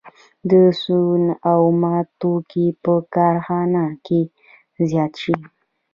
د سون اومه توکي په کارخانه کې زیات شي